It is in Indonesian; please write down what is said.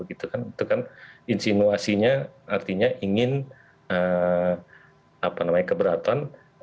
itu kan insinuasinya artinya ingin keberatan